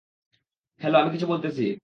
Hello আমি কিছু বলতেছি।